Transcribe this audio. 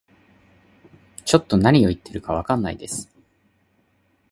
ちょっと何言ってるかわかんないです